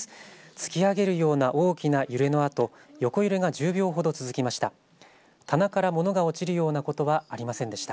突き上げるような大きな揺れのあと横揺れが１０秒ほど続きました。